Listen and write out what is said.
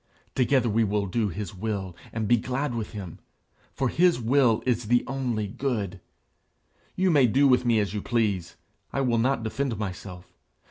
Together we will do his will, and be glad with him, for his will is the only good. You may do with me as you please; I will not defend myself.